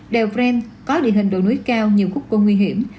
đèo brand có địa hình đồi núi cao nhiều khúc côn nguy hiểm